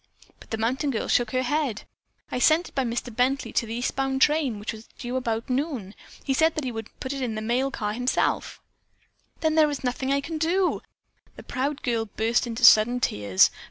But the mountain girl shook her head. "I sent it by Mr. Bently to the eastbound train, which was due about noon. He said that he himself would put it in the mail car." "Then there is nothing that I can do!" The proud girl burst into sudden tears.